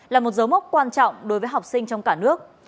là một dấu mốc quan trọng đối với học sinh trong cả nước